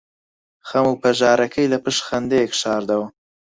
خەم و پەژارەکەی لەپشت خەندەیەک شاردەوە.